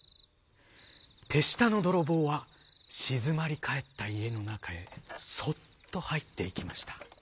てしたのどろぼうはしずまりかえったいえのなかへそっとはいっていきました。